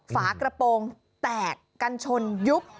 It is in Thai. ฝากระโปรงแตกกันชนยุบ